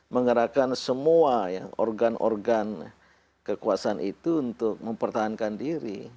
menggerakkan semua organ organ kekuasaan itu untuk mempertahankan diri